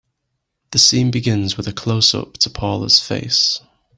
The scene begins with a closeup to Paula's face.